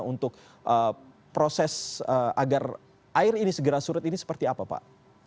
untuk proses agar air ini segera surut ini seperti apa pak